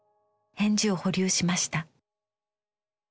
返事を保留しました。